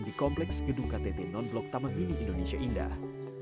di kompleks gedung ktt non blok taman mini indonesia indah